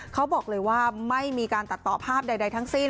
เขาบอกเลยว่าไม่มีการตัดต่อภาพใดทั้งสิ้น